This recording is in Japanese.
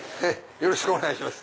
よろしくお願いします。